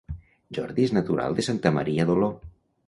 Jordi és natural de Santa Maria d'Oló